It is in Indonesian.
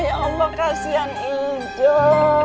ya allah kasihan ijam